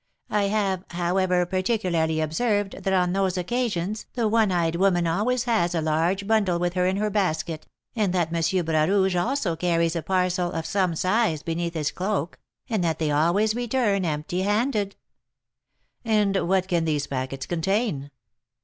I have, however, particularly observed that on those occasions the one eyed woman always has a large bundle with her in her basket, and that M. Bras Rouge also carries a parcel of some size beneath his cloak, and that they always return empty handed." "And what can these packets contain?"